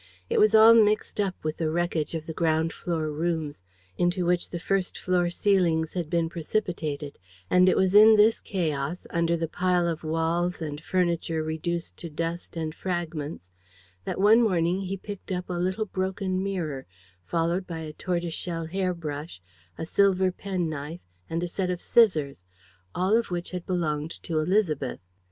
It was all mixed up with the wreckage of the ground floor rooms, into which the first floor ceilings had been precipitated; and it was in this chaos, under the pile of walls and furniture reduced to dust and fragments, that one morning he picked up a little broken mirror, followed by a tortoise shell hair brush, a silver pen knife and a set of scissors, all of which had belonged to Élisabeth.